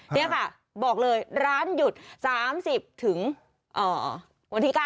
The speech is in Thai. นี่ค่ะบอกเลยร้านหยุด๓๐ถึงวันที่๙